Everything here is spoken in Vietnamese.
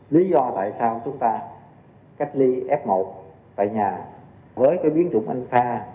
lý do tại sao chúng ta cách ly f một tại nhà với cái biến chủng anh pha